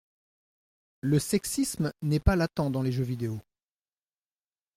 Le sexisme n’est pas latent dans les jeux vidéo.